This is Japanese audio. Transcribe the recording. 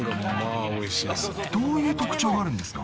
どういう特徴があるんですか？